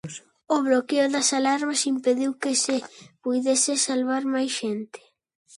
O bloqueo das alarmas impediu que se puidese salvar máis xente.